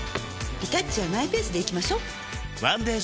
リタッチはマイペースでいきましょっワンデー